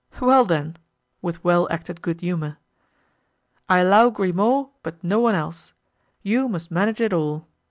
"Well, then," with well acted good humor, "I allow Grimaud, but no one else; you must manage it all.